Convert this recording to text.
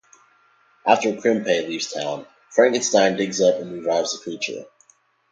After Krempe leaves town, Frankenstein digs up and revives the creature.